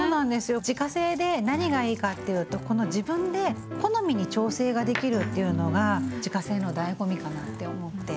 自家製で何がいいかっていうとこの自分で好みに調整ができるっていうのが自家製のだいご味かなって思って。